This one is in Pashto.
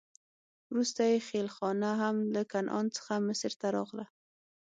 وروسته یې خېلخانه هم له کنعان څخه مصر ته راغله.